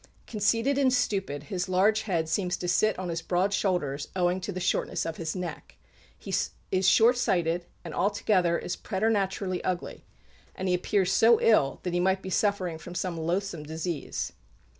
Conceited and stupid, his large head seems to sit on his broad shoulders, owing to the shortness of his neck. He is shortsighted and altogether is preternaturally ugly; and he appears so ill that he might be suffering from some loathsome disease."